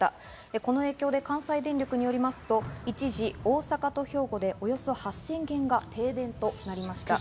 この影響で関西電力によりますと、一時、大阪と兵庫でおよそ８０００軒が停電となりました。